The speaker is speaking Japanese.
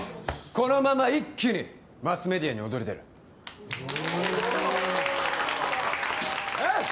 このまま一気にマスメディアに躍り出るおっよし！